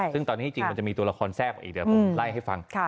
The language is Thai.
ซึ่งตอนนี้จริงมันจะมีตัวละครแทรกมาอีกเดี๋ยวผมไล่ให้ฟัง